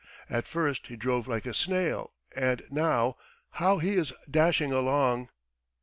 ... At first he drove like a snail and now how he is dashing along!"